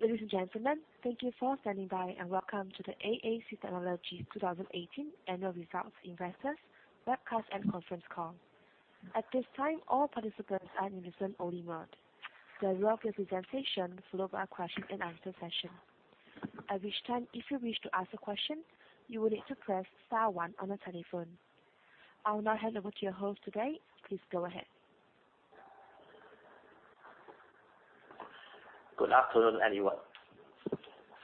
Ladies and gentlemen, thank you for standing by, and welcome to the AAC Technologies 2018 Annual Results Investors Webcast and Conference Call. At this time, all participants are in listen-only mode. There will be a presentation followed by a question and answer session. At which time, if you wish to ask a question, you will need to press star one on the telephone. I will now hand over to your host today. Please go ahead. Good afternoon, everyone.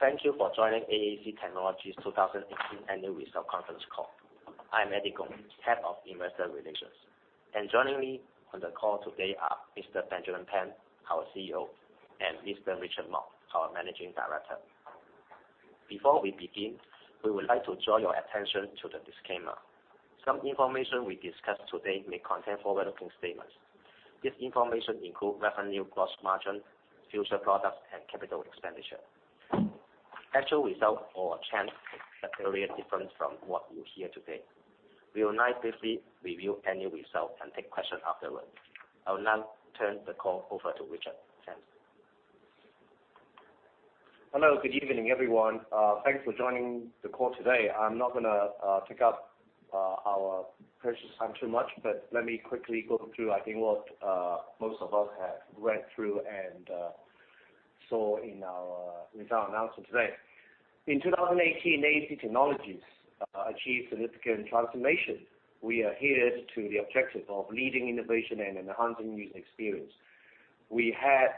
Thank you for joining AAC Technologies' 2018 Annual Result Conference Call. I am Eddie Kung, Head of Investor Relations. Joining me on the call today are Mr. Benjamin Pan, our CEO, and Mr. Richard Mok, our Managing Director. Before we begin, we would like to draw your attention to the disclaimer. Some information we discuss today may contain forward-looking statements. This information includes revenue, gross margin, future products, and capital expenditure. Actual results or changes may vary different from what you hear today. We will now briefly review annual results and take questions afterward. I will now turn the call over to Richard. Thanks. Hello, good evening, everyone. Thanks for joining the call today. I'm not going to take up our precious time too much, but let me quickly go through, I think, what most of us have read through and saw in our result announcement today. In 2018, AAC Technologies achieved significant transformation. We adhered to the objective of leading innovation and enhancing user experience. We had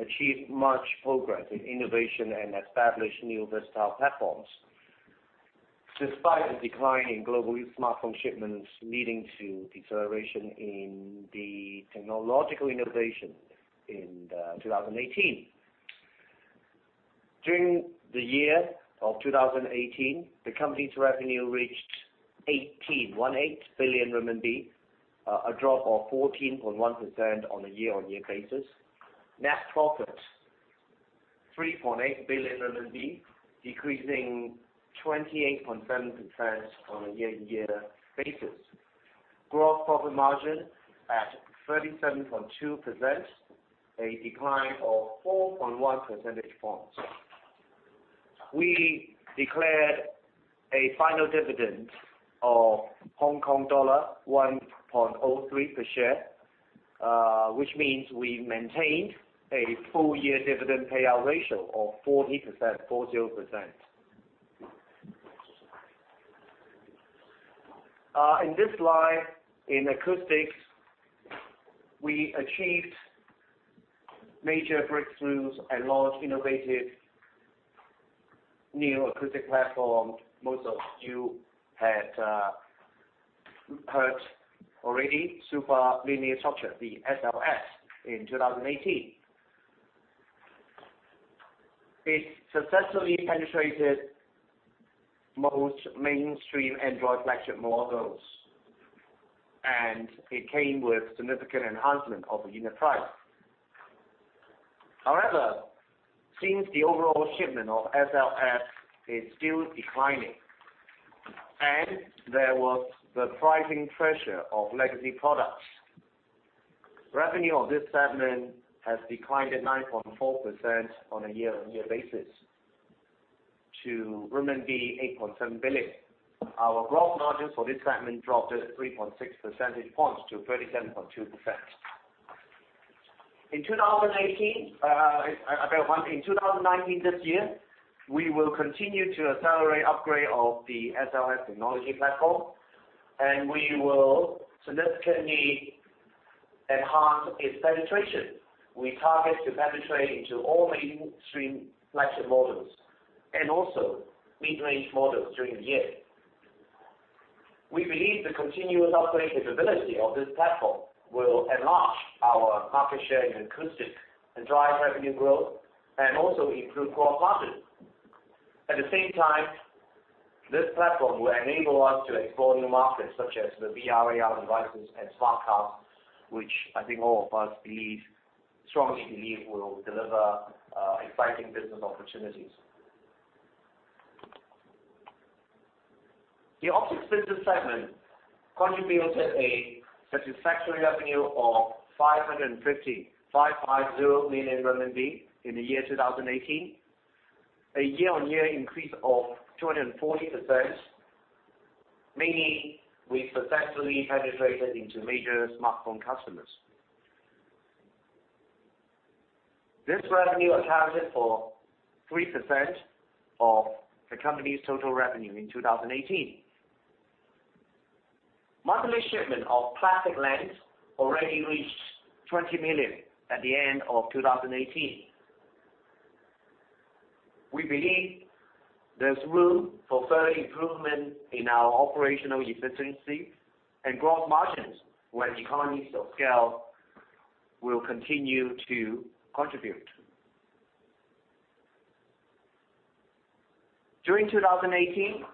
achieved much progress in innovation and established new versatile platforms. Despite the decline in global smartphone shipments, leading to deceleration in the technological innovation in 2018. During the year of 2018, the company's revenue reached 18 billion RMB, a drop of 14.1% on a year-on-year basis. Net profit RMB 3.8 billion, decreasing 28.7% on a year-on-year basis. Gross profit margin at 37.2%, a decline of 4.1 percentage points. We declared a final dividend of Hong Kong dollar 1.03 per share, which means we maintained a full-year dividend payout ratio of 40%. In this slide, in acoustics, we achieved major breakthroughs and launched innovative new acoustic platform. Most of you had heard already, Super Linear Structure, the SLS, in 2018. It successfully penetrated most mainstream Android flagship models, and it came with significant enhancement of the unit price. However, since the overall shipment of SLS is still declining, and there was the pricing pressure of legacy products, revenue of this segment has declined at 9.4% on a year-on-year basis to 8.7 billion. Our gross margin for this segment dropped at 3.6 percentage points to 37.2%. In 2019, this year, we will continue to accelerate upgrade of the SLS technology platform, and we will significantly enhance its penetration. We target to penetrate into all mainstream flagship models and also mid-range models during the year. We believe the continuous upgrade capability of this platform will enlarge our market share in acoustics and drive revenue growth, and also improve gross profit. At the same time, this platform will enable us to explore new markets, such as the VR/AR devices and smart cars, which I think all of us strongly believe will deliver exciting business opportunities. The optics business segment contributed a satisfactory revenue of 550 million renminbi in the year 2018, a year-on-year increase of 240%, meaning we successfully penetrated into major smartphone customers. This revenue accounted for 3% of the company's total revenue in 2018. Monthly shipment of plastic lens already reached 20 million at the end of 2018. We believe there's room for further improvement in our operational efficiency and gross margins, where economies of scale will continue to contribute. During 2018,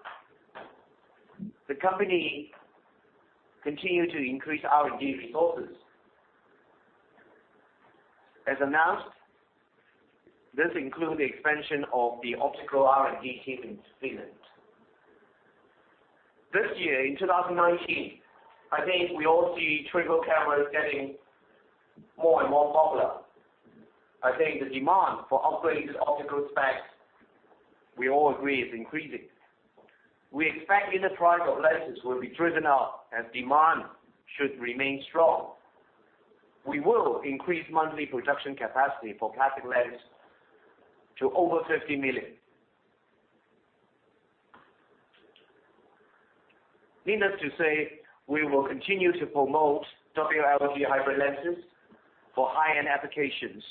the company continued to increase R&D resources. As announced, this includes the expansion of the optical R&D team in Finland. This year, in 2019, I think we all see triple cameras getting more and more popular. I think the demand for upgraded optical specs, we all agree, is increasing. We expect the price of lenses will be driven up as demand should remain strong. We will increase monthly production capacity for plastic lenses to over 50 million. Needless to say, we will continue to promote WLG hybrid lenses for high-end applications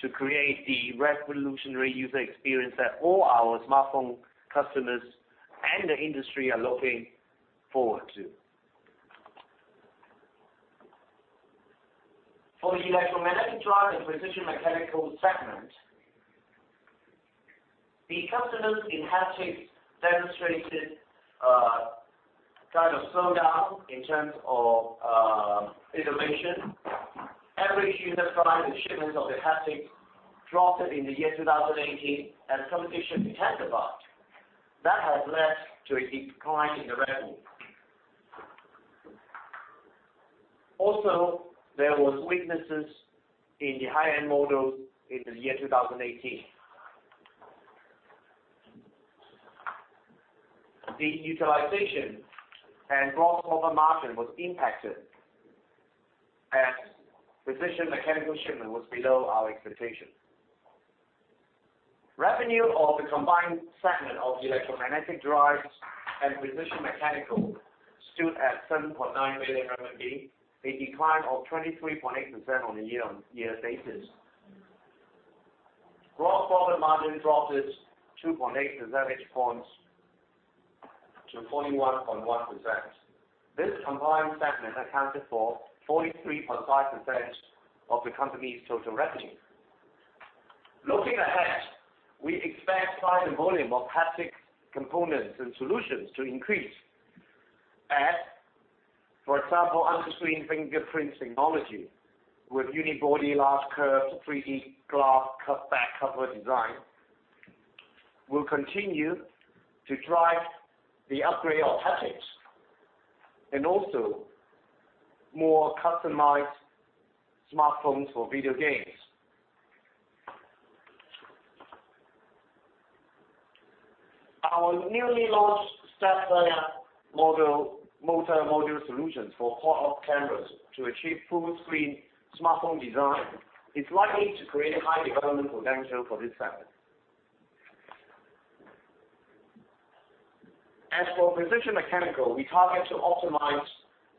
to create the revolutionary user experience that all our smartphone customers and the industry are looking forward to. For the electromagnetic drive and precision mechanical segment, the customers in haptics demonstrated a kind of slowdown in terms of innovation. Average unit price and shipments of the haptics dropped in the year 2018 as competition intensified. That has led to a decline in the revenue. There were weaknesses in the high-end models in the year 2018. The utilization and gross profit margin were impacted, and precision mechanical shipment was below our expectation. Revenue of the combined segment of the electromagnetic drives and precision mechanical stood at 7.90 billion RMB, a decline of 23.8% on a year-on-year basis. Gross profit margin dropped 2.8 percentage points to 41.1%. This combined segment accounted for 43.5% of the company's total revenue. Looking ahead, we expect price and volume of haptics components and solutions to increase, as, for example, under-screen fingerprint technology with unibody large curved 3D glass back cover design will continue to drive the upgrade of haptics. Also more customized smartphones for video games. Our newly launched step motor module solutions for pop-up cameras to achieve full-screen smartphone design is likely to create high development potential for this segment. As for precision mechanical, we target to optimize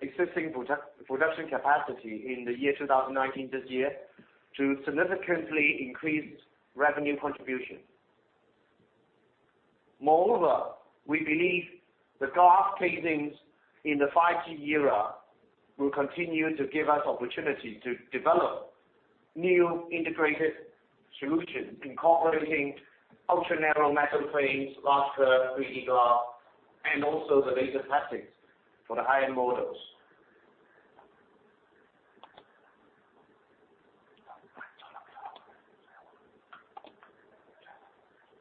existing production capacity in the year 2019, this year, to significantly increase revenue contribution. Moreover, we believe the glass casings in the 5G era will continue to give us opportunity to develop new integrated solutions incorporating ultra-narrow metal frames, large curved 3D glass, and also the laser plastics for the high-end models.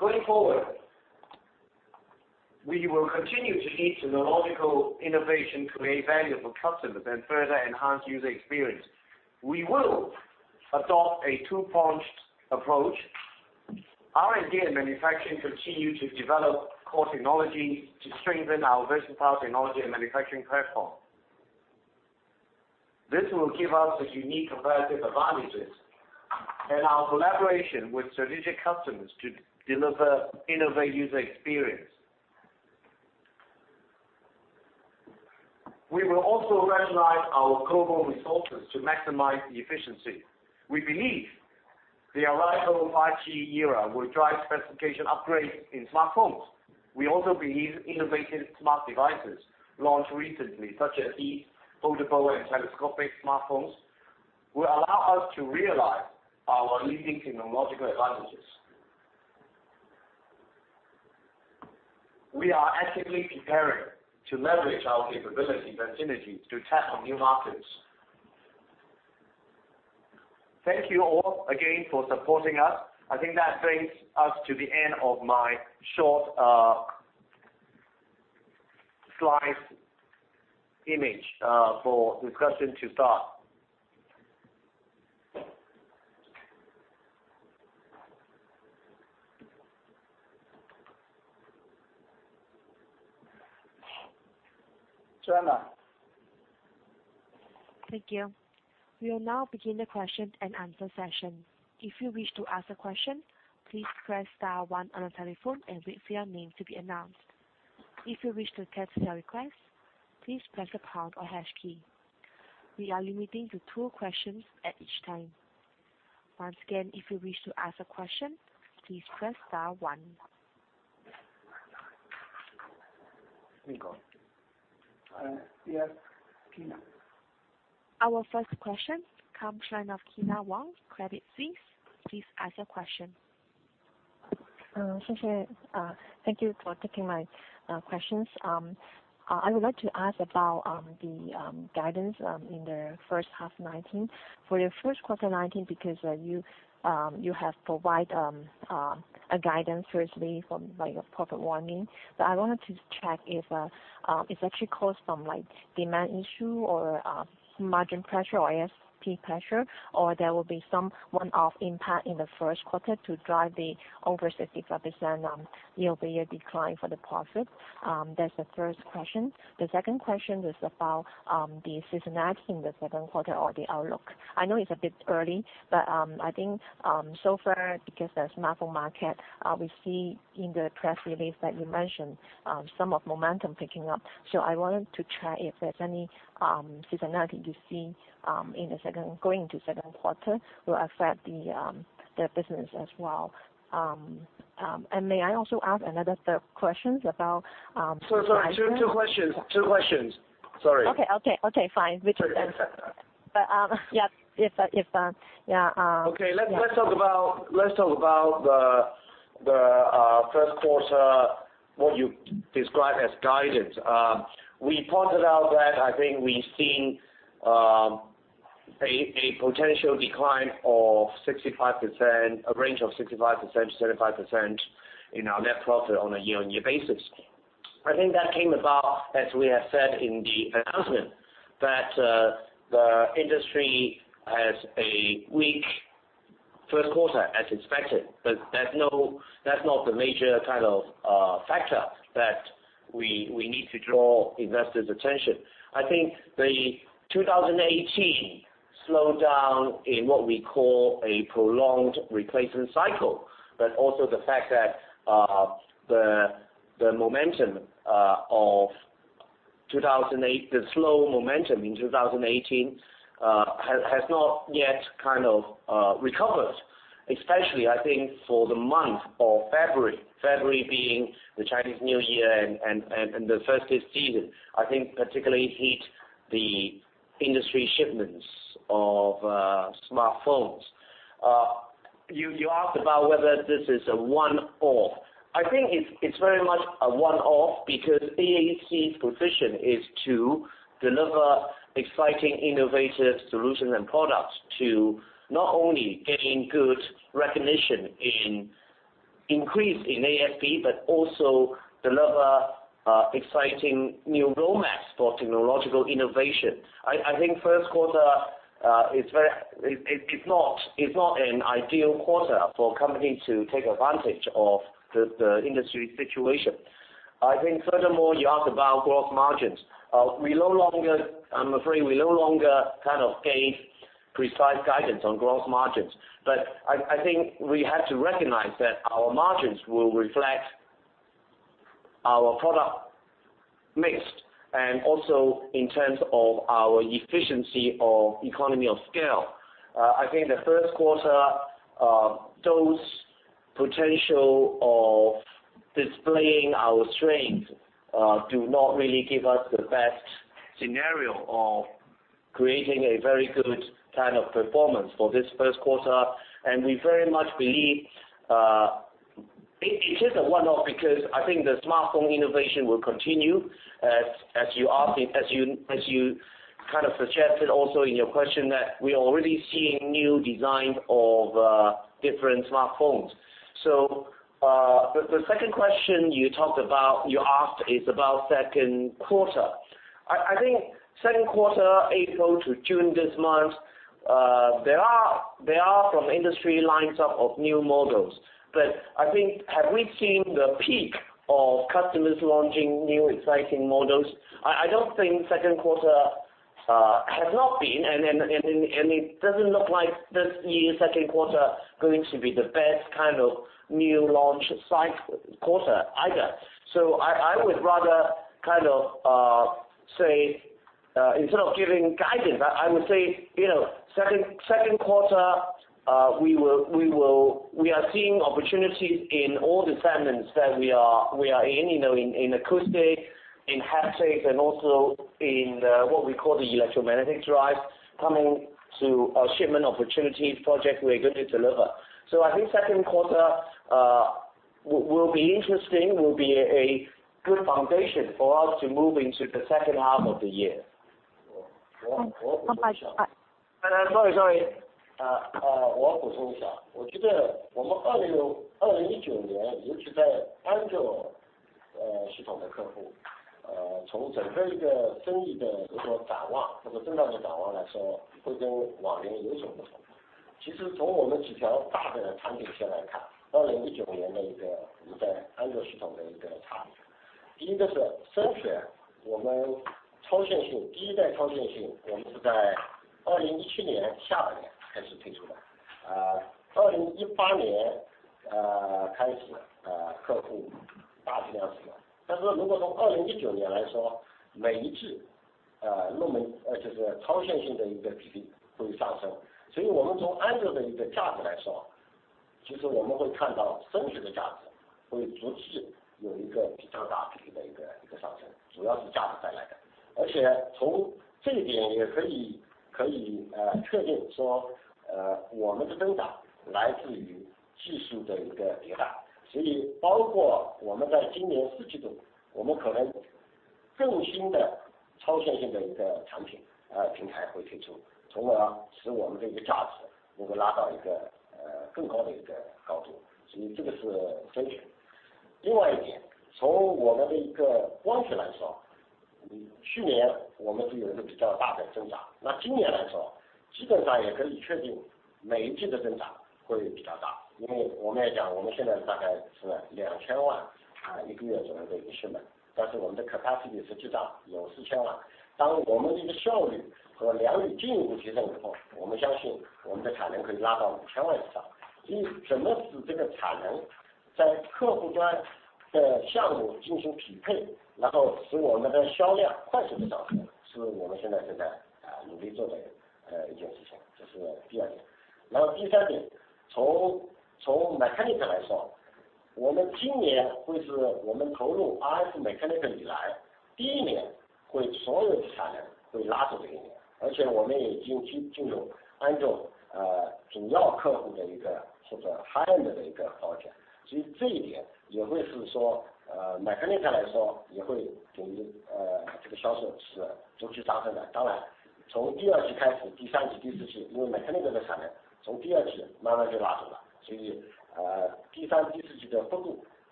Going forward, we will continue to lead technological innovation to create value for customers and further enhance user experience. We will adopt a two-pronged approach. R&D and manufacturing continue to develop core technology to strengthen our versatile technology and manufacturing platform. This will give us the unique competitive advantages in our collaboration with strategic customers to deliver innovate user experience. We will also rationalize our global resources to maximize the efficiency. We believe the arrival of 5G era will drive specification upgrades in smartphones. We also believe innovative smart devices launched recently, such as the foldable and telescopic smartphones, will allow us to realize our leading technological advantages. We are actively preparing to leverage our capabilities and synergies to tap on new markets. Thank you all again for supporting us. I think that brings us to the end of my short slide image for discussion to start. Joanna? Thank you. We will now begin the question and answer session. If you wish to ask a question, please press star one on your telephone and wait for your name to be announced. If you wish to cancel your request, please press the pound or hash key. We are limiting to two questions at each time. Once again, if you wish to ask a question, please press star one. Here we go. Yes, Kyna. Our first question comes line of Kyna Wong, Credit Suisse. Please ask your question. Thank you for taking my questions. I would like to ask about the guidance in the first half 2019. For your first quarter 2019, because you have provided guidance firstly from your profit warning. I wanted to check if it's actually caused from demand issue or margin pressure or ASP pressure, or there will be some one-off impact in the first quarter to drive the over 65% year-over-year decline for the profit. That's the first question. The second question is about the seasonality in the second quarter or the outlook. I know it's a bit early, I think so far because the smartphone market, we see in the press release that you mentioned some of momentum picking up. I wanted to check if there's any seasonality you see going into second quarter will affect the business as well. May I also ask another third question about. Sorry, two questions. Sorry. Okay, fine. Which are then Yeah. Okay. Let's talk about the first quarter, what you described as guidance. We pointed out that I think we've seen a potential decline of 65%, a range of 65% to 75% in our net profit on a year-on-year basis. I think that came about, as we have said in the announcement, that the industry has a weak first quarter as expected, but that's not the major kind of factor that we need to draw investors' attention. I think the 2018 slowdown in what we call a prolonged replacement cycle, but also the fact that the slow momentum in 2018 has not yet kind of recovered, especially, I think for the month of February. February being the Chinese New Year and the festive season, I think particularly hit the industry shipments of smartphones. You asked about whether this is a one-off. I think it's very much a one-off because AAC's position is to deliver exciting, innovative solutions and products to not only gain good recognition in increase in ASP, but also deliver exciting new roadmaps for technological innovation. I think first quarter is not an ideal quarter for company to take advantage of the industry situation. I think furthermore, you asked about gross margins. I'm afraid we no longer kind of gave precise guidance on gross margins. We have to recognize that our margins will reflect our product mix, and also in terms of our efficiency of economy of scale. I think the first quarter, those potential of displaying our strengths, do not really give us the best scenario of creating a very good kind of performance for this first quarter. We very much believe it is a one-off because I think the smartphone innovation will continue, as you kind of suggested also in your question that we're already seeing new designs of different smartphones. The second question you asked is about second quarter. I think second quarter, April to June this month, there are from industry lines of new models. But I think, have we seen the peak of customers launching new exciting models? I don't think second quarter has not been, and it doesn't look like this year second quarter going to be the best kind of new launch quarter either. I would rather kind of say, instead of giving guidance, I would say, second quarter, we are seeing opportunities in all the segments that we are in. In acoustic, in haptics, and also in what we call the electromagnetic drive, coming to shipment opportunities project we're going to deliver. I think second quarter will be interesting, will be a good foundation for us to move into the second half of the year. I- Sorry.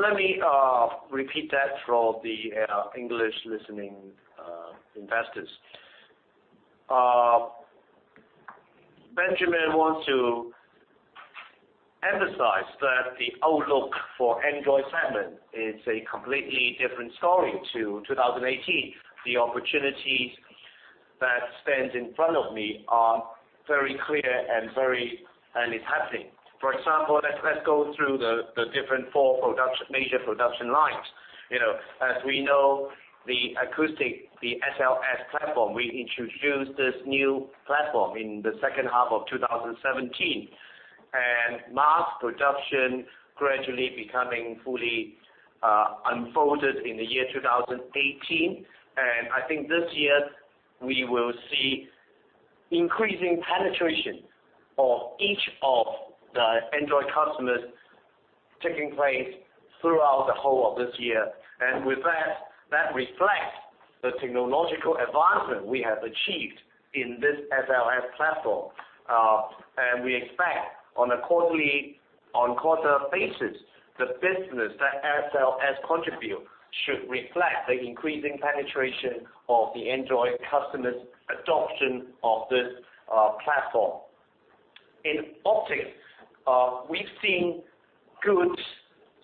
Let me repeat that for the English listening investors. Benjamin wants to emphasize that the outlook for Android segment is a completely different story to 2018. The opportunities that stand in front of me are very clear and it's happening. For example, let's go through the different four major production lines. As we know, the acoustic, the SLS platform, we introduced this new platform in the second half of 2017, and mass production gradually becoming fully unfolded in the year 2018. I think this year, we will see increasing penetration of each of the Android customers taking place throughout the whole of this year. With that reflects the technological advancement we have achieved in this SLS platform. We expect on a quarter basis, the business that SLS contribute should reflect the increasing penetration of the Android customers adoption of this platform. In optics, we've seen good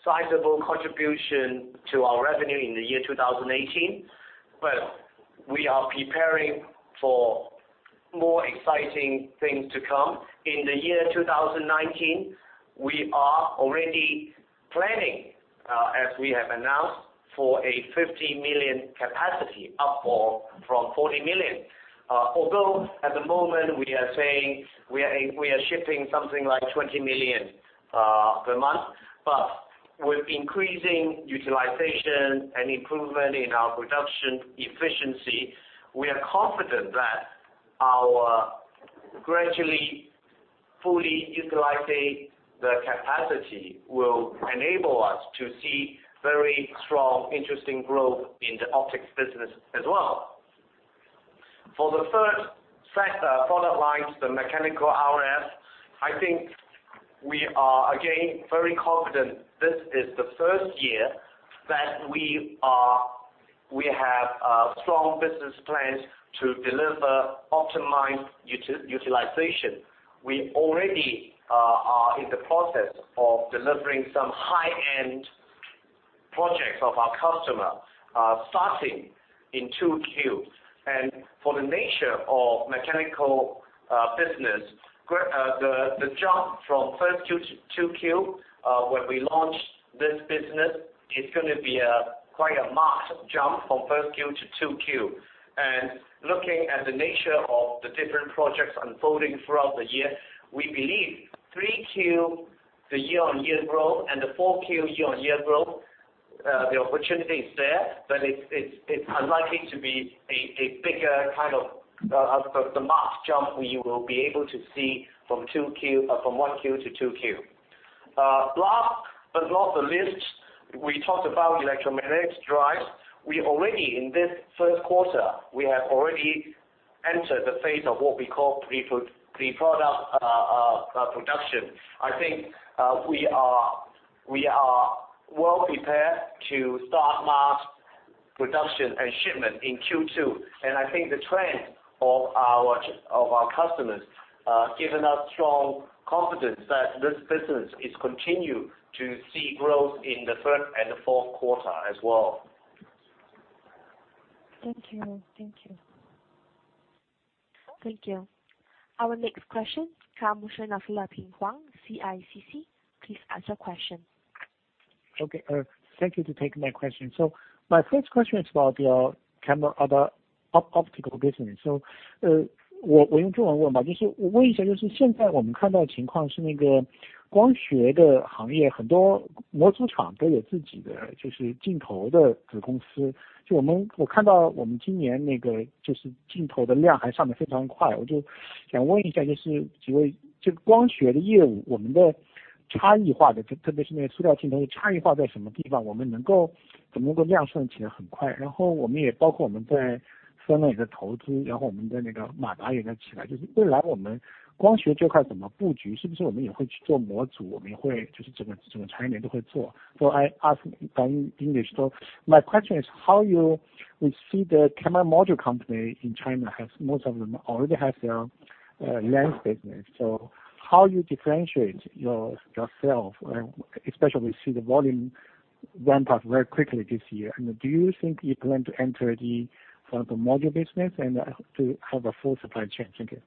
sizable contribution to our revenue in the year 2018, but we are preparing for more exciting things to come. In the year 2019, we are already planning, as we have announced, for a 50 million capacity, up from 40 million. Although at the moment we are saying we are shipping something like 20 million per month. With increasing utilization and improvement in our production efficiency, we are confident that our gradually fully utilizing the capacity will enable us to see very strong interesting growth in the optics business as well. For the third set of product lines, the RF/mechanicals, I think we are again very confident this is the first year that we have strong business plans to deliver optimized utilization. We already are in the process of delivering some high-end projects of our customer, starting in 2Q. For the nature of mechanical business, the jump from 1Q to 2Q, when we launch this business, it's going to be quite a marked jump from 1Q to 2Q. Looking at the nature of the different projects unfolding throughout the year, we believe 3Q, the year-on-year growth, and the 4Q year-on-year growth, the opportunity is there, but it's unlikely to be a bigger kind of the marked jump you will be able to see from 1Q to 2Q. Last but not the least, we talked about electromagnetic drives. We already in this first quarter, we have already entered the phase of what we call pre-product production. I think we are well prepared to start mass production and shipment in Q2. I think the trend of our customers gives us strong confidence that this business will continue to see growth in the third and the fourth quarter as well. Thank you. Thank you. Thank you. Our next question comes from 黄, CICC. Please ask your question. Thank you for taking my question. My first question is about your camera, about optical business. How do you differentiate yourself, especially we see the volume ramp up very quickly this year. Do you think you plan to enter the front module business and have a full supply chain? Thank you.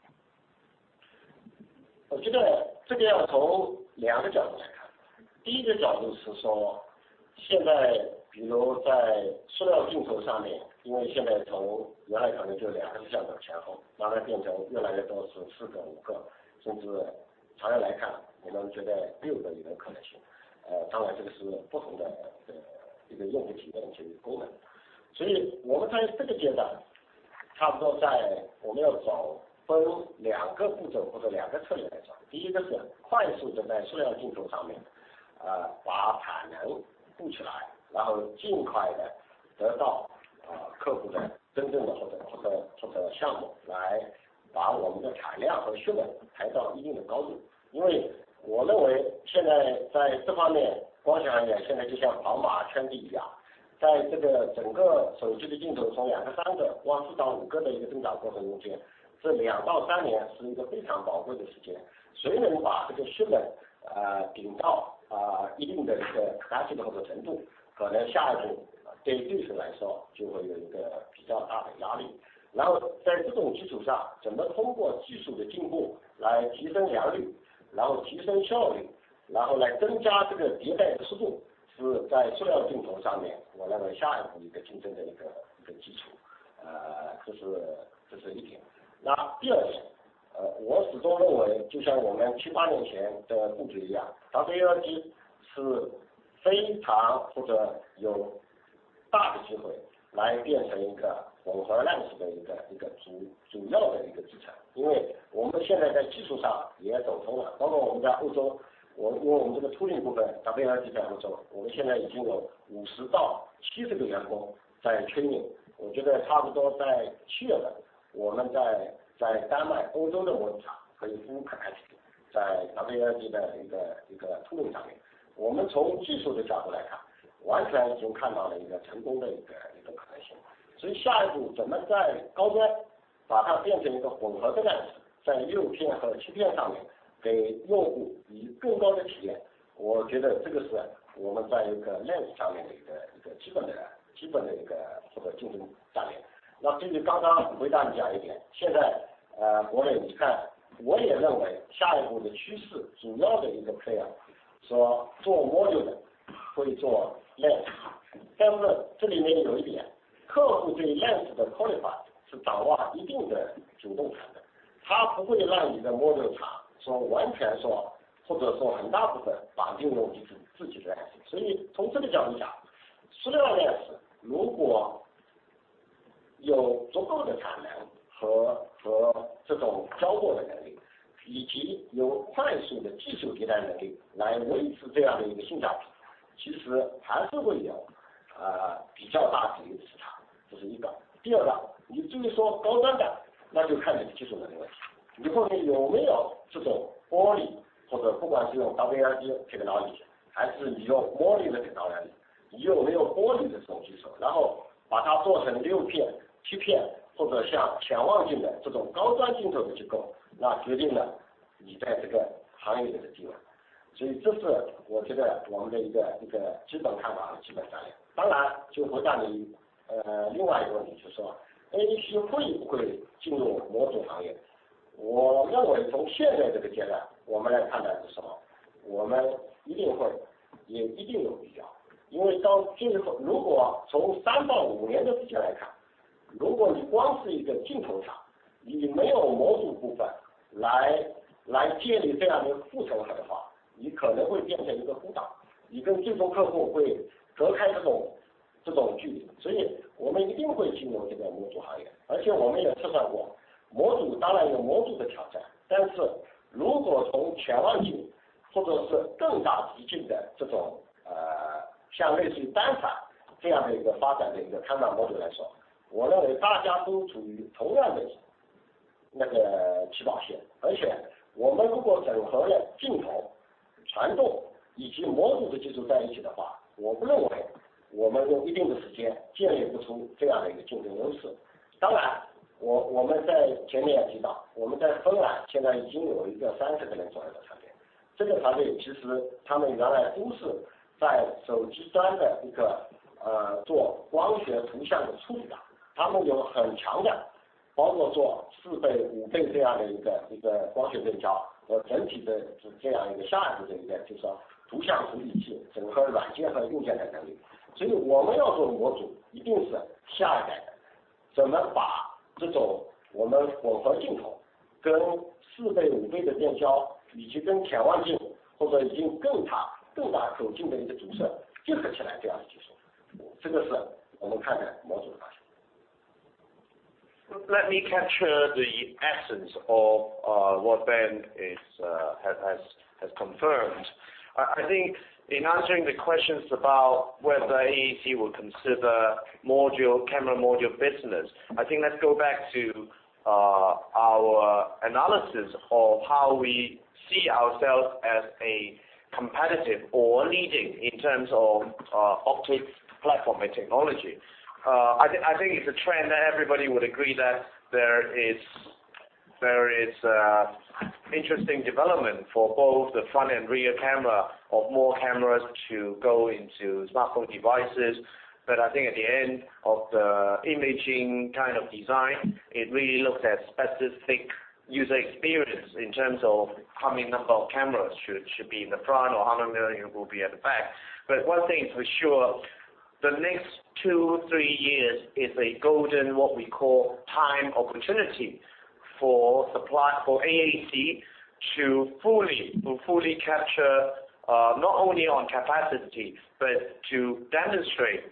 produce，在WLG的一个tooling上面。我们从技术的角度来看，完全已经看到了一个成功的可能性。所以下一步怎么在高端把它变成一个混合的lens，在六片和七片上面给用户以更高的体验。我觉得这个是我们在lens上面一个基本的竞争战略。那对于刚刚回答你讲一点，现在国内你看，我也认为下一步的趋势，主要的一个player，说做module的会做lens。但是这里面有一点，客户对lens的qualified是掌握一定的主动权的，他不会让你的module厂完全说，或者说很大部分绑定用自己的lens。所以从这个角度讲，塑料lens如果有足够的产能和这种交货的能力，以及有快速的技术迭代能力来维持这样的一个进展，其实还是会有比较大体量的市场，这是一个。第二个，你至于说高端的，那就看你的技术能力问题，你后面有没有这种玻璃，或者不管是用WLG technology，还是你用玻璃的technology，你有没有玻璃的这种技术，然后把它做成六片、七片，或者像潜望镜的这种高端镜头的结构，那决定了你在这个行业里的地位。所以这是我觉得我们的一个基本看法和基本战略。当然就回答你另外一个问题，就是AAC会不会进入模组行业？我认为从现在这个阶段我们来看待的时候，我们一定会，也一定有必要，因为如果从三到五年的事情来看，如果你光是一个镜头厂，你没有模组部分来建立这样的护城河的话，你可能会变成一个孤岛，你跟最终客户会隔开这种距离，所以我们一定会进入这个模组行业，而且我们也测算过，模组当然有模组的挑战，但是如果从潜望镜或者是更大级数的这种类似于单反这样的发展的一个看法来，我认为大家都处于同样的起跑线。而且我们如果整合了镜头、传动以及模组的技术在一起的话，我不认为我们用一定的时间建立不出这样的一个竞争优势。当然我们在前面也提到，我们在芬兰现在已经有一个30个人左右的团队。这个团队其实他们原来都是在手机端做一个光学图像的处理的。他们有很强的，包括做四倍、五倍这样的一个光学变焦和整体的这样一个下一代的一个图像处理器，整合软件和硬件的能力。所以我们要做模组，一定是下一代，怎么把这种我们混合镜头跟四倍、五倍的变焦，以及跟潜望镜，或者已经更大口径的一个主摄结合起来这样的技术，这个是我们看待模组的方式。Let me capture the essence of what Ben has confirmed. I think in answering the questions about whether AAC will consider camera module business. I think let's go back to our analysis of how we see ourselves as a competitive or leading in terms of optics platform and technology. I think it's a trend that everybody would agree that there is interesting development for both the front and rear camera, of more cameras to go into smartphone devices. I think at the end of the imaging kind of design, it really looks at specific user experience in terms of how many number of cameras should be in the front, or how many will be at the back. One thing is for sure, the next two, three years is a golden, what we call time opportunity for AAC to fully capture, not only on capacity, but to demonstrate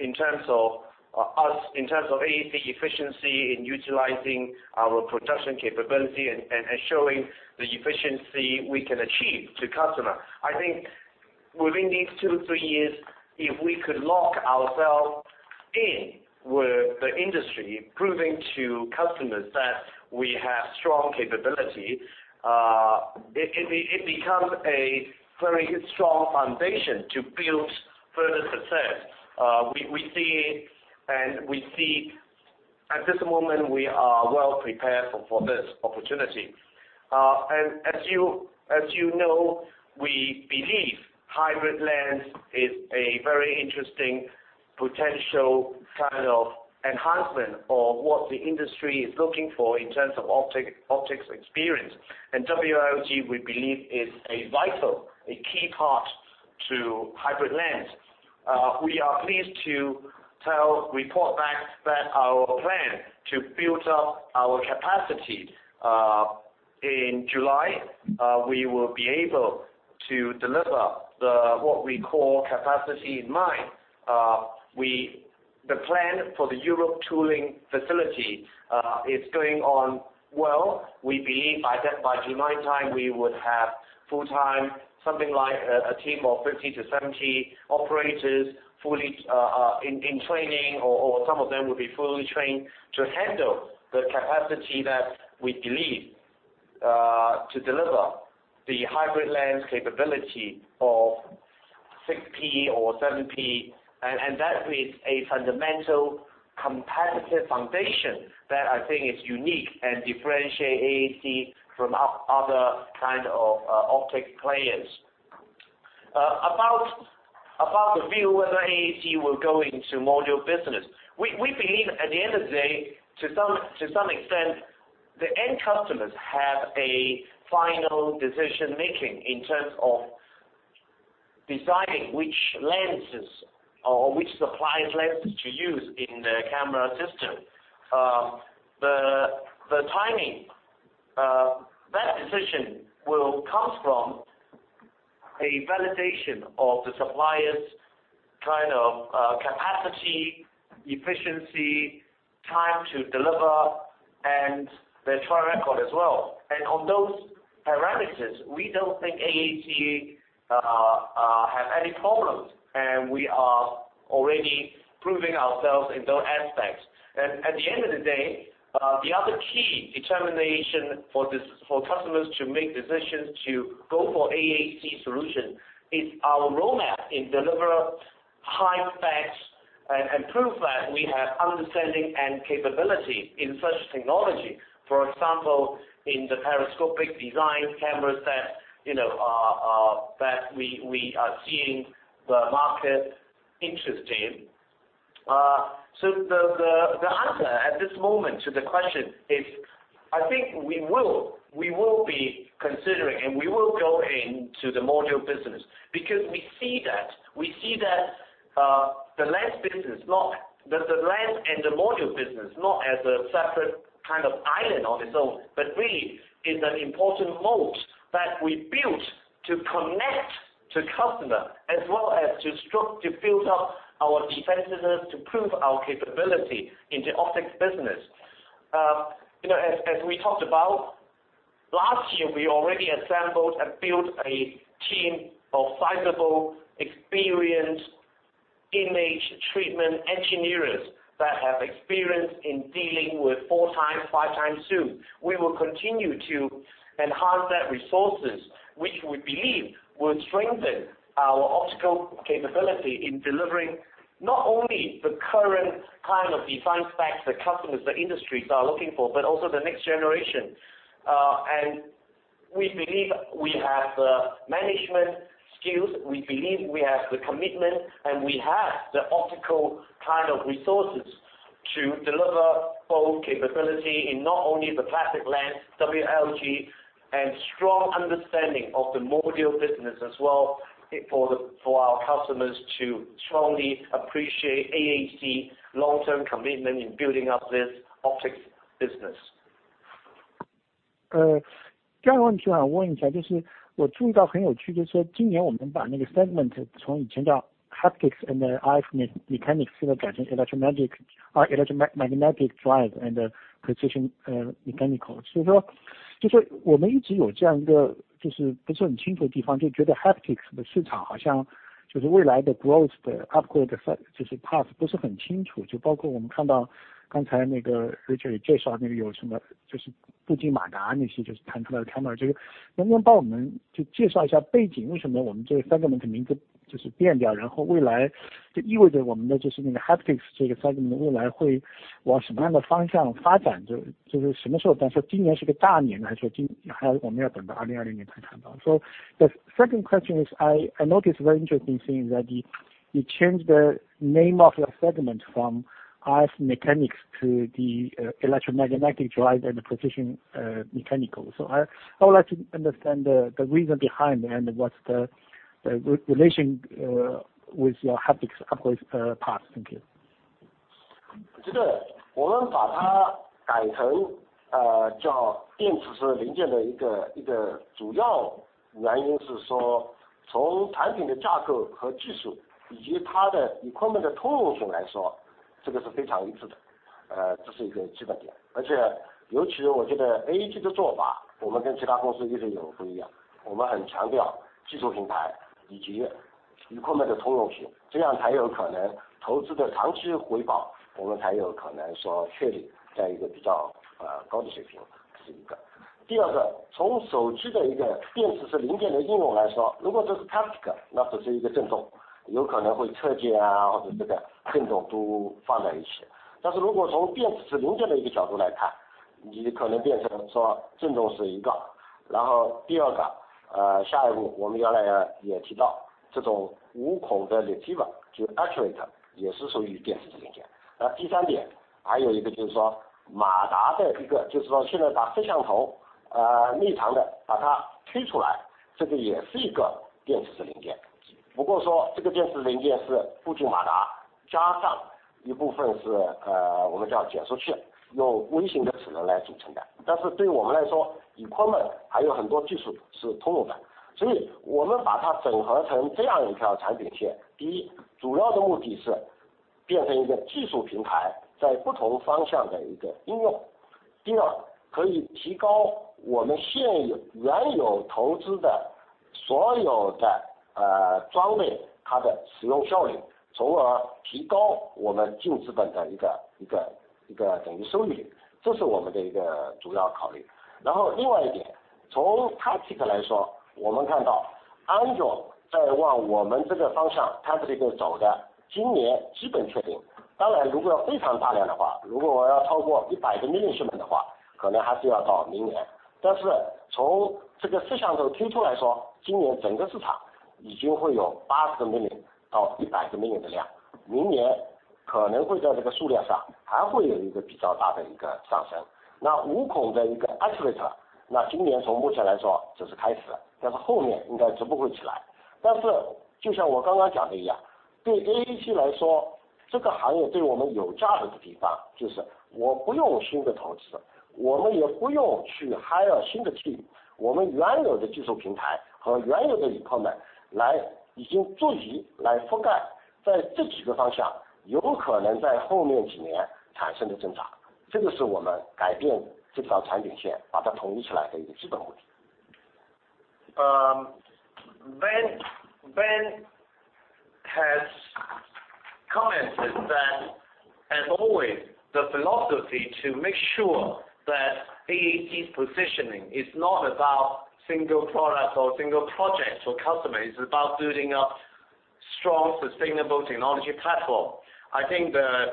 in terms of AAC efficiency in utilizing our production capability and showing the efficiency we can achieve to customer. I think within these two, three years, if we could lock ourselves in with the industry, proving to customers that we have strong capability, it becomes a very strong foundation to build further success. We see at this moment we are well prepared for this opportunity. As you know, we believe hybrid lens is a very interesting potential kind of enhancement of what the industry is looking for in terms of optics experience. WLG, we believe is a vital, key part to hybrid lens. We are pleased to report back that our plan to build up our capacity. In July, we will be able to deliver what we call capacity in mind. The plan for the Europe tooling facility is going on well. We believe by July time, we would have full-time, something like a team of 50 to 70 operators in training, or some of them will be fully trained to handle the capacity that we believe to deliver the hybrid lens capability of 6P or 7P. That is a fundamental competitive foundation that I think is unique and differentiate AAC from other kinds of optic players. About the view whether AAC will go into module business. We believe at the end of the day, to some extent, the end customers have a final decision-making in terms of deciding which lenses or which suppliers lenses to use in the camera system. That decision will come from a validation of the suppliers, kind of capacity, efficiency, time to deliver, and their track record as well. On those parameters, we don't think AAC have any problems, and we are already proving ourselves in those aspects. At the end of the day, the other key determination for customers to make decisions to go for AAC solution is our roadmap in deliver high specs and prove that we have understanding and capability in such technology. For example, in the periscopic design cameras that we are seeing the market interest in. The answer at this moment to the question is, I think we will be considering, and we will go into the module business. We see that the lens business, not the lens and the module business, not as a separate kind of island on its own, but really is an important moat that we built to connect to customer as well as to build up our defensiveness, to prove our capability in the optics business. As we talked about last year, we already assembled and built a team of sizable, experienced image treatment engineers that have experience in dealing with four times, five times zoom. We will continue to enhance that resources, which we believe will strengthen our optical capability in delivering not only the current kind of design specs that customers, that industries are looking for, but also the next generation. We believe we have the management skills, we believe we have the commitment, and we have the optical kind of resources to deliver both capability in not only the plastic lens, WLG, and strong understanding of the module business as well for our customers to strongly appreciate AAC's long-term commitment in building up this optics business. 第二个问题想问一下，我注意到很有趣的是，今年我们把segment从以前叫haptics and mechanics改成electromagnetic drive and precision mechanical。我们一直有这样一个不是很清楚的地方，就觉得haptics的市场好像未来的growth upgrade path不是很清楚，包括我们看到刚才Richard介绍步进马达那些。能不能帮我们介绍一下背景，为什么我们segment的名字变了，意味着我们的haptics这个segment未来会往什么样的方向发展？什么时候，今年是个大年，还是我们要等到2020年才看到？The second question is, I noticed a very interesting thing that you changed the name of your segment from mechanics to the electromagnetic drive and the precision mechanical. I would like to understand the reason behind, and what's the relation with your haptics upgrade path. Thank you. Ben has commented that as always, the philosophy to make sure that AAC's positioning is not about single product or single project or customer, it is about building up strong, sustainable technology platform. I think the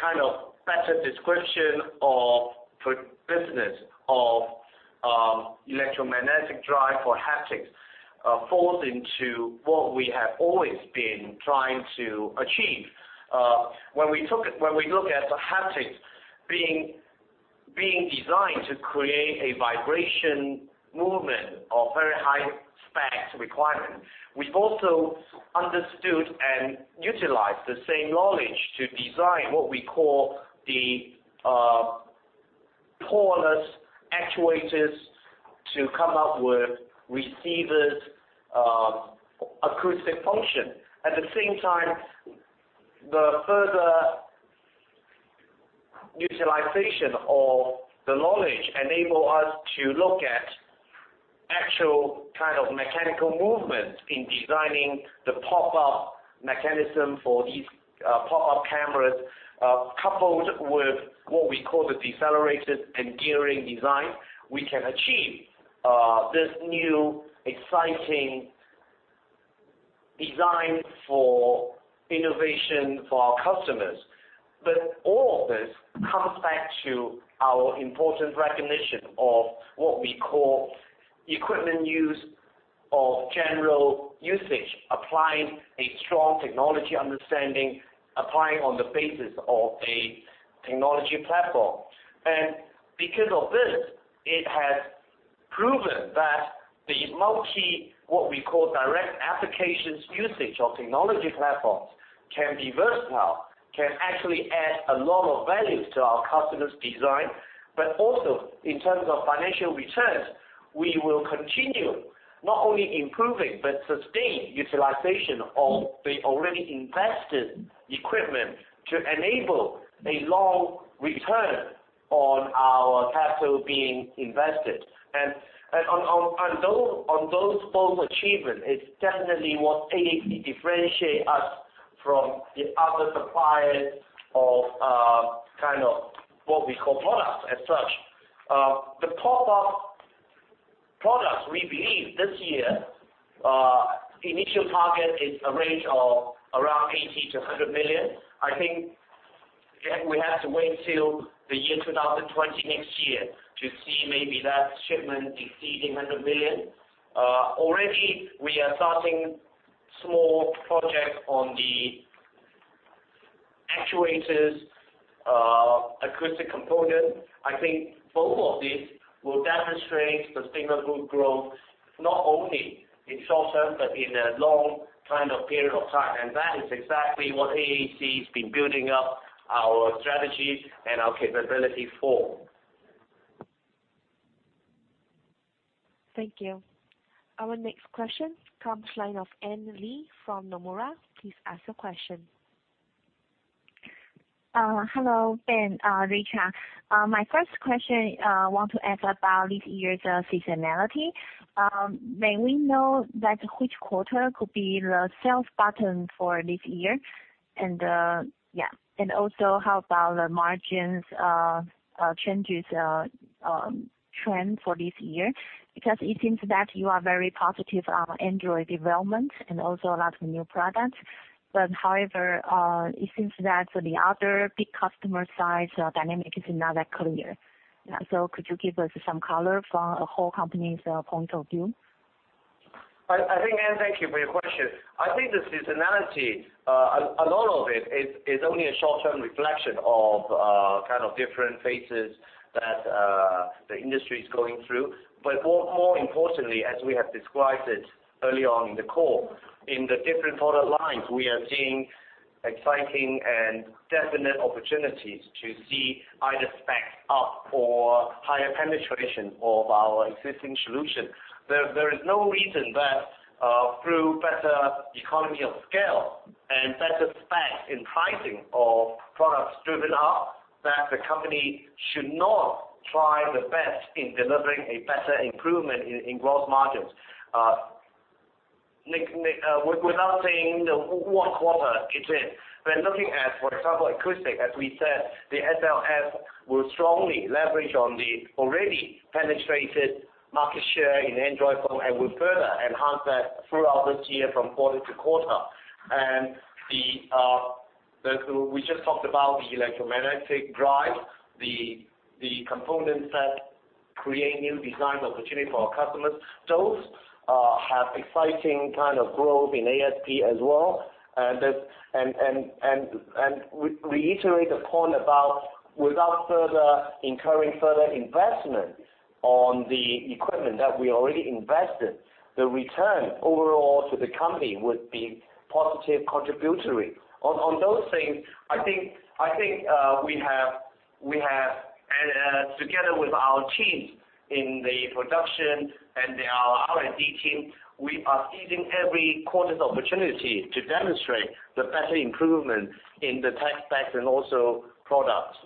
kind of better description of the business of electromagnetic drive for haptics falls into what we have always been trying to achieve. When we look at the haptics being designed to create a vibration movement of very high specs requirement, we have also understood and utilized the same knowledge to design what we call the poreless actuators to come up with receivers acoustic function. At the same time, the further utilization of the knowledge enable us to look at actual mechanical movements in designing the pop-up mechanism for these pop-up cameras, coupled with what we call the decelerated and gearing design. We can achieve this new exciting design for innovation for our customers. All this comes back to our important recognition of what we call equipment use of general usage, applying a strong technology understanding, applying on the basis of a technology platform. Because of this, it has proven that the multi, what we call direct applications usage of technology platforms, can be versatile, can actually add a lot of values to our customers' design. Also in terms of financial returns, we will continue not only improving, but sustain utilization of the already invested equipment to enable a long return on our capital being invested. On those both achievements, it is definitely what AAC differentiate us from the other suppliers of what we call products as such. The pop-up products, we believe this year, initial target is a range of around 80 million-100 million. I think, we have to wait till the year 2020, next year, to see maybe that shipment exceeding 100 million. Already, we are starting small projects on the actuators acoustic component. I think both of these will demonstrate sustainable growth, not only in short-term, but in a long period of time. That is exactly what AAC has been building up our strategies and our capability for. Thank you. Our next question comes line of Anne Lee from Nomura. Please ask your question. Hello, Ben, Richard. My first question I want to ask about this year's seasonality. May we know that which quarter could be the sales pattern for this year? Also, how about the margins trend for this year? It seems that you are very positive on Android development and also a lot of new products. However, it seems that the other big customer side's dynamic is not that clear. Could you give us some color from a whole company's point of view? Anne, thank you for your question. I think the seasonality, a lot of it is only a short-term reflection of different phases that the industry is going through. More importantly, as we have described it early on in the call, in the different product lines, we are seeing exciting and definite opportunities to see either specs up or higher penetration of our existing solution. There is no reason that through better economy of scale and better specs in pricing of products driven up, that the company should not try the best in delivering a better improvement in gross margins. Without saying what quarter it's in, we're looking at, for example, acoustic, as we said, the SLS will strongly leverage on the already penetrated market share in Android phone and will further enhance that throughout this year from quarter to quarter. We just talked about the electromagnetic drive, the component set create new design opportunity for our customers. Those have exciting kind of growth in ASP as well. We reiterate the point about without further incurring further investment on the equipment that we already invested, the return overall to the company would be positive contributory. On those things, I think we have, together with our teams in the production and our R&D team, we are seizing every quarter's opportunity to demonstrate the better improvement in the tech specs and also products.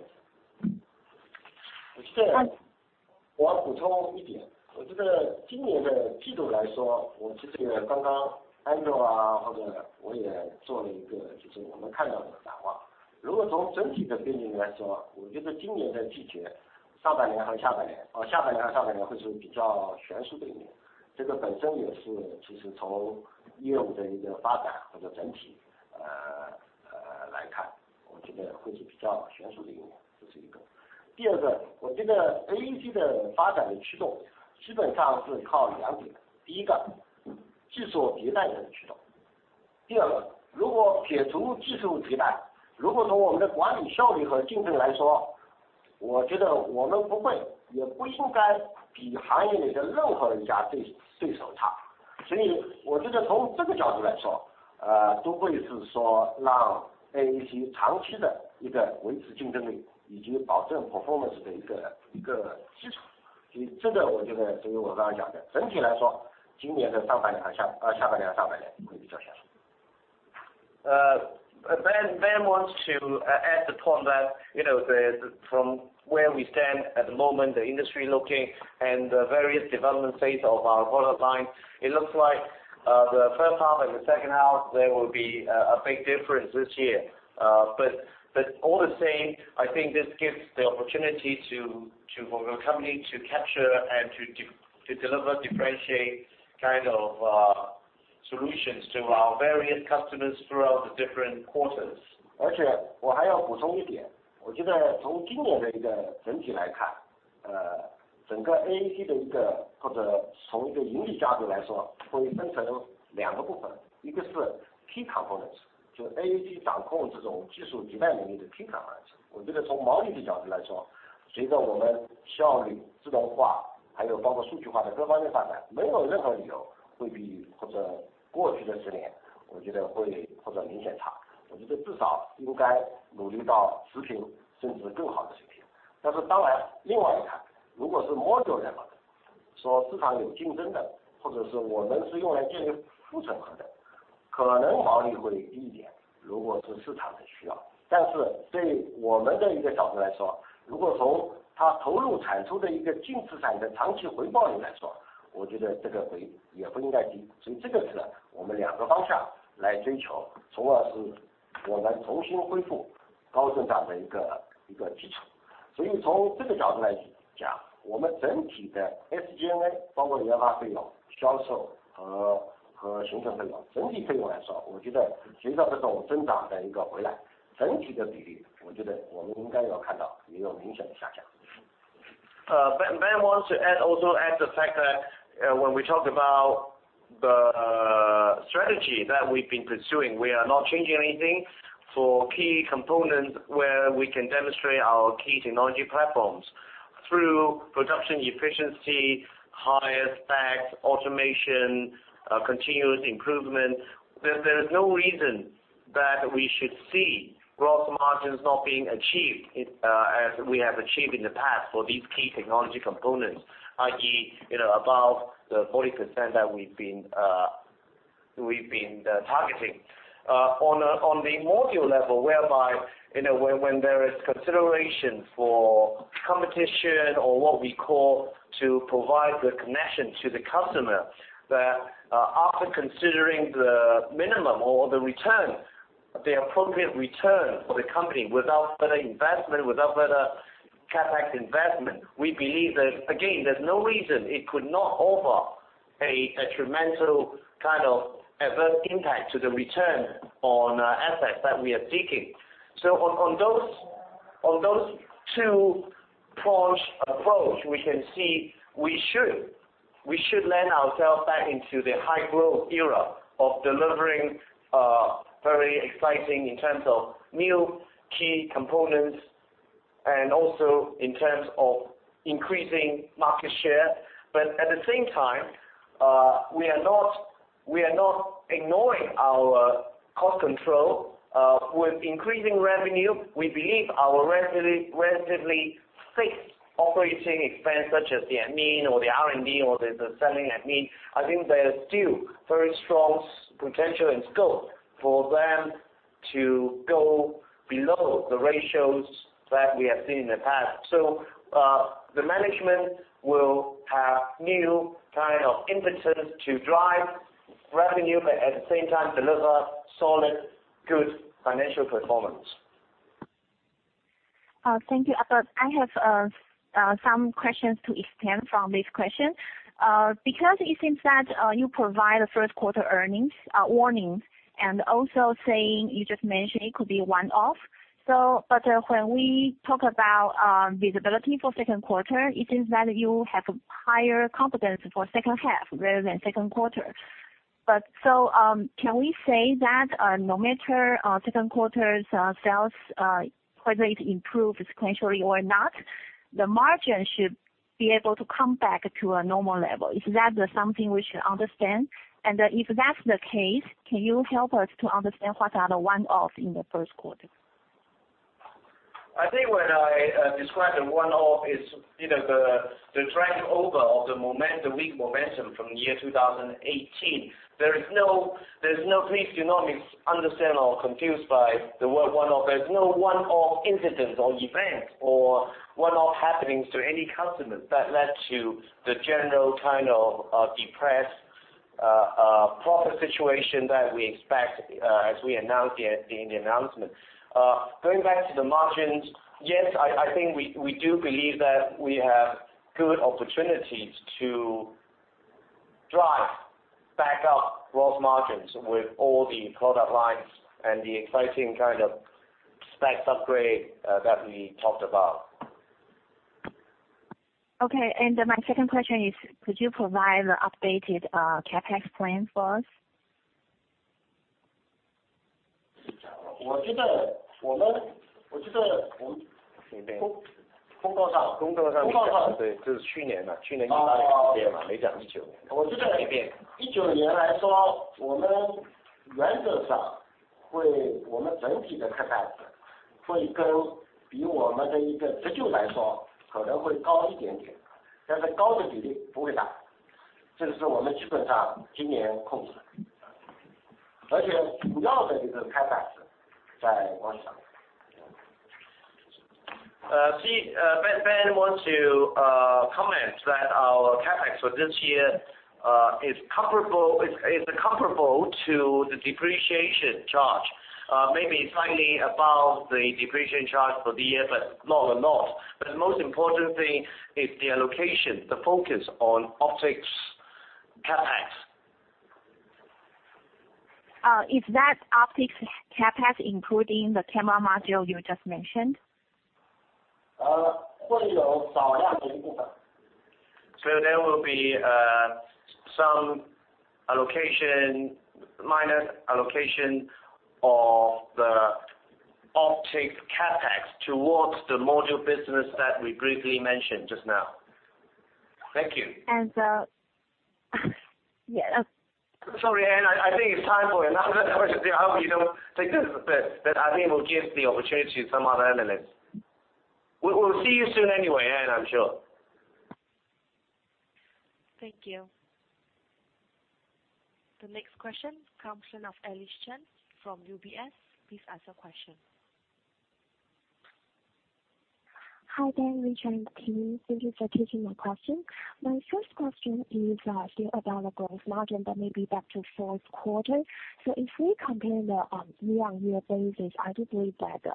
Ben wants to add the point that from where we stand at the moment, the industry looking and the various development phase of our product line, it looks like the first half and the second half, there will be a big difference this year. I think this gives the opportunity for the company to capture and to deliver differentiated solutions to our various customers throughout the different quarters. 而且我还要补充一点，我觉得从今年的整体来看，整个AAC从一个盈利角度来说，会分成两个部分，一个是key components，就是AAC掌控这种技术底牌能力的key components。我觉得从毛利的角度来说，随着我们效率自动化，还有包括数据化的各方面发展，没有任何理由会比过去的十年明显差，我觉得至少应该努力到持平甚至更好的水平。但是另外一看，如果是module level的，市场有竞争的，或者是我们是用来建立副品牌的，可能毛利会低一点，如果是市场的需要。但是对我们的角度来说，如果从它投入产出的一个净资产的长期回报率来说，我觉得这个也不应该低。所以这是我们两个方向来追求，从而使我们重新恢复高增长的一个基础。所以从这个角度来讲，我们整体的SG&A，包括研发费用、销售和行政费用，整体费用来说，我觉得随着这种增长的一个回来，整体的比例，我觉得我们应该要看到也有明显的下降。Ben wants to also add the fact that when we talk about the strategy that we've been pursuing, we are not changing anything for key components where we can demonstrate our key technology platforms through production efficiency, higher specs, automation, continuous improvement. There's no reason that we should see gross margins not being achieved as we have achieved in the past for these key technology components, i.e., above the 40% that we've been targeting. On the module level, whereby when there is consideration for competition or what we call to provide the connection to the customer, that after considering the minimum or the appropriate return for the company without further CapEx investment, we believe that, again, there's no reason it could not offer a tremendous adverse impact to the return on assets that we are seeking. On those two approaches, we can see we should land ourselves back into the high-growth era of delivering very exciting in terms of new key components and also in terms of increasing market share. At the same time, we are not ignoring our cost control. With increasing revenue, we believe our relatively fixed operating expense, such as the admin or the R&D or the SG&A, I think there's still very strong potential and scope for them to go below the ratios that we have seen in the past. The management will have new impetus to drive revenue, but at the same time, deliver solid, good financial performance. Thank you. I have some questions to extend from this question. It seems that you provide a first-quarter earnings warning, and also saying, you just mentioned it could be one-off. When we talk about visibility for second quarter, it seems that you have higher confidence for second half rather than second quarter. Can we say that no matter second quarter's sales, whether it improve sequentially or not, the margin should be able to come back to a normal level? Is that something we should understand? If that's the case, can you help us to understand what are the one-offs in the first quarter? I think when I describe the one-off is the drag over of the weak momentum from the year 2018. Please do not misunderstand or confused by the word one-off. There's no one-off incident or event or one-off happenings to any customer that led to the general depressed profit situation that we expect as we announced in the announcement. Going back to the margins, yes, I think we do believe that we have good opportunities to drive back up gross margins with all the product lines and the exciting specs upgrade that we talked about. Okay. My second question is, could you provide the updated CapEx plan for us? Ben wants to comment that our CapEx for this year is comparable to the depreciation charge. Maybe slightly above the depreciation charge for the year, but not a lot. The most important thing is the allocation, the focus on optics CapEx. Is that optics CapEx including the camera module you just mentioned? 会有少量的一部分。There will be some allocation minor allocation of the optic CapEx towards the module business that we briefly mentioned just now. Thank you. Yeah. Sorry, Anne, I think it's time for another question. I hope you don't take this, but I think we'll give the opportunity to some other analysts. We'll see you soon anyway, Anne, I'm sure. Thank you. The next question comes in of Alice Chen from UBS. Please ask your question. Hi there, Richard team. Thank you for taking my question. My first question is still about the gross margin, maybe back to fourth quarter. If we compare the year-over-year basis, I do believe that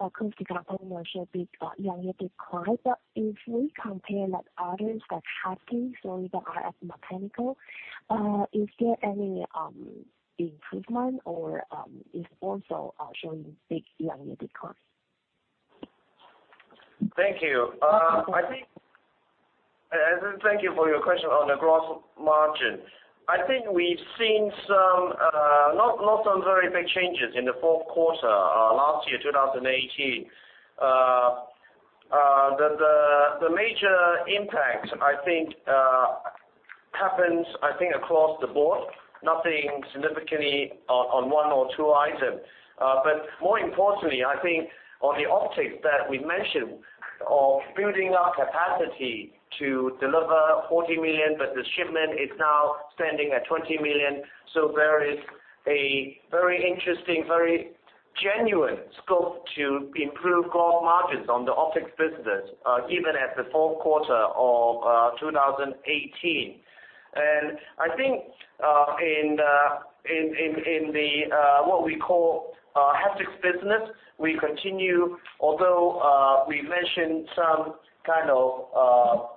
acoustic component should be year-over-year decline. If we compare like others like haptics or the RF/mechanical, is there any improvement or is also showing big year-over-year decline? Thank you. Thank you for your question on the gross margin. I think we've seen not some very big changes in the fourth quarter last year, 2018. The major impact I think happens, across the board, nothing significantly on one or two items. More importantly, I think on the optics that we mentioned of building our capacity to deliver 40 million, the shipment is now standing at 20 million. There is a very interesting, very genuine scope to improve gross margins on the optics business, even at the fourth quarter of 2018. I think in what we call haptics business, we continue, although we mentioned some kind of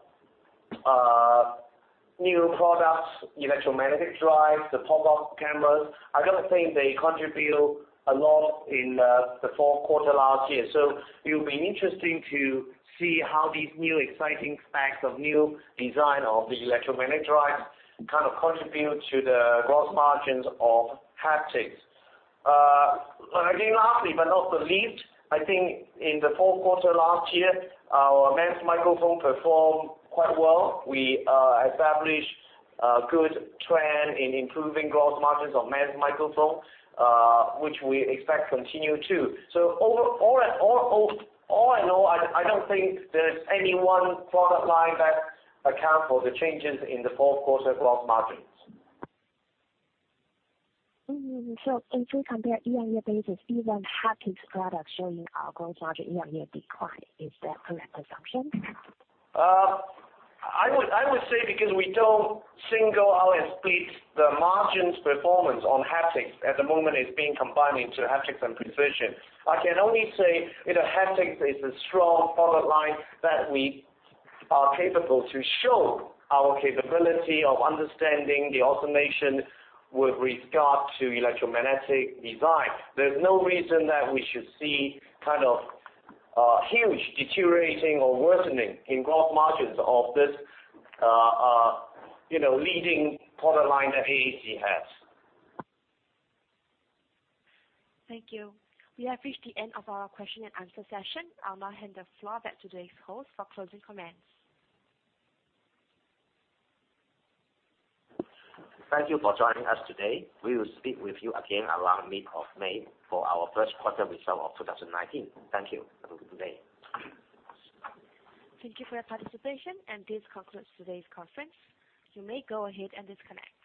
new products, electromagnetic drive, the pop-up cameras, I don't think they contribute a lot in the fourth quarter last year. It'll be interesting to see how these new exciting facts of new design of the electromagnetic drive kind of contribute to the gross margins of haptics. Again, lastly, not the least, I think in the fourth quarter last year, our MEMS microphone performed quite well. We established a good trend in improving gross margins of MEMS microphone, which we expect continue too. All in all, I don't think there's any one product line that account for the changes in the fourth quarter gross margins. If we compare year-over-year basis, even haptics product showing our gross margin year-over-year decline. Is that correct assumption? I would say because we don't single out and split the margins performance on haptics, at the moment it's being combined into haptics and precision. I can only say, haptics is a strong product line that we are capable to show our capability of understanding the oscillation with regard to electromagnetic design. There's no reason that we should see kind of huge deteriorating or worsening in gross margins of this leading product line that AAC has. Thank you. We have reached the end of our question and answer session. I'll now hand the floor back to the host for closing comments. Thank you for joining us today. We will speak with you again around mid of May for our first quarter result of 2019. Thank you. Have a good day. Thank you for your participation. This concludes today's conference. You may go ahead and disconnect.